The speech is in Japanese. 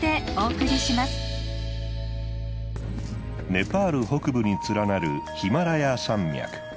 ネパール北部に連なるヒマラヤ山脈。